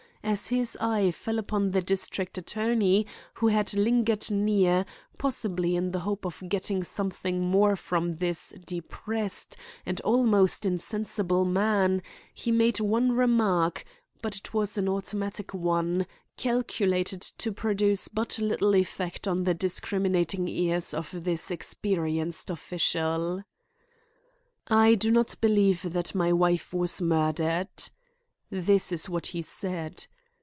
As his eye fell upon the district attorney, who had lingered near, possibly in the hope of getting something more from this depressed and almost insensible man, he made one remark, but it was an automatic one, calculated to produce but little effect on the discriminating ears of this experienced official. "I do not believe that my wife was murdered." This was what he said.